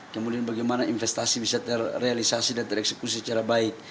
kemudian bagaimana investasi bisa terrealisasi dan tereksekusi secara baik